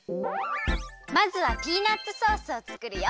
まずはピーナツソースをつくるよ。